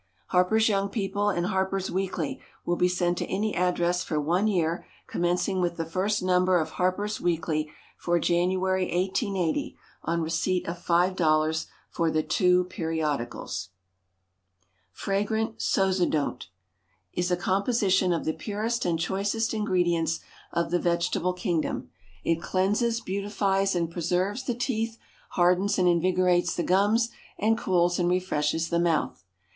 HARPER'S YOUNG PEOPLE and HARPER'S WEEKLY will be sent to any address for one year, commencing with the first Number of HARPER'S WEEKLY for January, 1880, on receipt of $5.00 for the two Periodicals. FRAGRANT SOZODONT Is a composition of the purest and choicest ingredients of the vegetable kingdom. It cleanses, beautifies, and preserves the =TEETH=, hardens and invigorates the gums, and cools and refreshes the mouth.